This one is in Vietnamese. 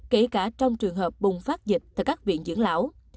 kể cả trong trường hợp bùng phát dịch tại các viện dưỡng lão